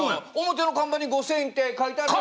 表の看板に５，０００円って書いてある。